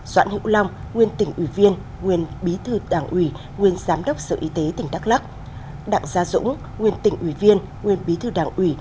doãn hữu long nguyên tỉnh ủy viên nguyên bí thư đảng ủy nguyên giám đốc sở y tế tỉnh đắk lắc đặng gia dũng nguyên tỉnh ủy viên nguyên bí thư đảng ủy